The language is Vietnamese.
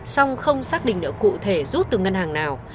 xong không xác định được cụ thể rút từ ngân hàng nào